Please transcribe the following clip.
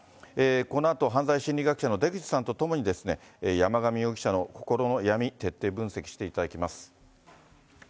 このあと、犯罪心理学者の出口さんと共に、山上容疑者の心の闇、徹底分析していただきます。